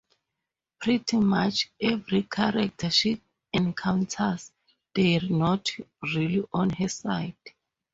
Pretty much every character she encounters, they're not really on her side.